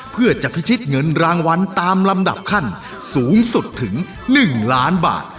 เพื่อจะพิชิตเงินรางวัลตามลำดับขั้นสูงสุดถึง๑ล้านบาท